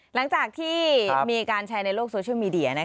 หลังจากที่มีการแชร์ในโลกโซเชียลมีเดีย